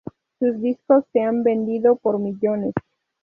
Sus discos se han vendido por millones.